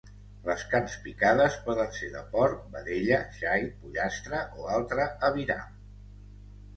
Les carns picades poden ser de porc, vedella, xai, pollastre o altre aviram.